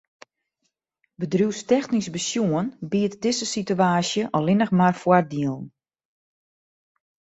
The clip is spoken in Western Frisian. Bedriuwstechnysk besjoen biedt dizze situaasje allinnich mar foardielen.